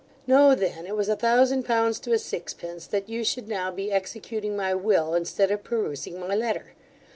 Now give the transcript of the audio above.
Know then, it was a thousand pounds to a sixpence, that you should now be executing my will, instead of perusing my letter!